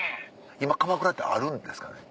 今かまくらってあるんですかね？